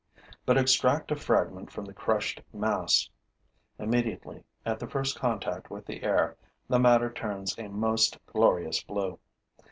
But extract a fragment from the crushed mass: immediately, at the first contact with the air, the matter turns a most glorious blue.